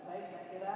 baik saya kira